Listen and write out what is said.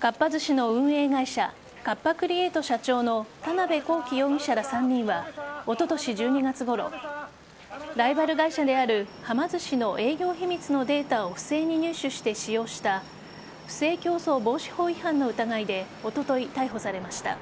カッパ・クリエイト社長の田辺公己容疑者ら３人はおととし１２月ごろライバル会社であるはま寿司の営業秘密のデータを不正に入手して使用した不正競争防止法違反の疑いでおととい逮捕されました。